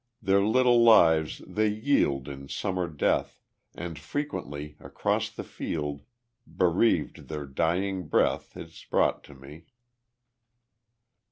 Their little lives they yield in summer death, And frequently Across the field bereaved their dying breath Is brought to me.